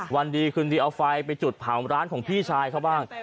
วันดีคืนดีเอาไฟไปจุดเผาร้านของพี่ชายเขาบ้าง